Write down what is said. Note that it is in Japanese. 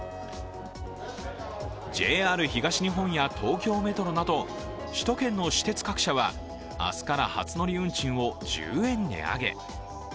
ＪＲ東日本や東京メトロなど、首都圏の私鉄各社は明日から初乗り運賃を１０円値上げ。